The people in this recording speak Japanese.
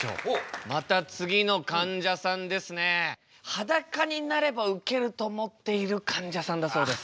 裸になればウケると思っているかんじゃさんだそうです。